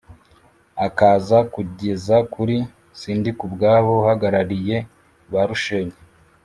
akaza kugeza kuri Sindikubwabo uhagarariye ba Rushenyi